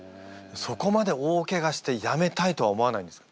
そこまで大ケガしてやめたいとは思わないんですか？